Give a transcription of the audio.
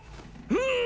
うん！